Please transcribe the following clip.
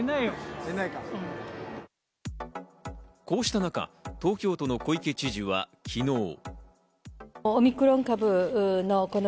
こうした中、東京都の小池知事は昨日。